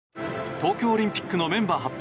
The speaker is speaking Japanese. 東京オリンピックメンバー発表